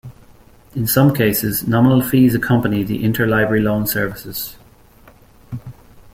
In some cases, nominal fees accompany the interlibrary loan services.